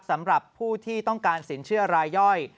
สำหรับผู้ที่ต้องการสินเชื่อรายย่อย